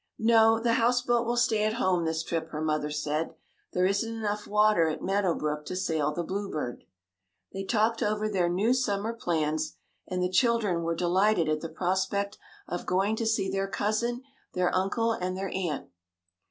"No, the houseboat will stay at home this trip," her mother said. "There isn't enough water at Meadow Brook to sail the Bluebird." They talked over their new summer plans, and the children were delighted at the prospect of going to see their cousin, their uncle and their aunt.